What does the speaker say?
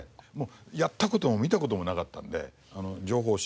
やった事も見た事もなかったんで情報誌